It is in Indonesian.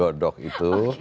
untuk mendok itu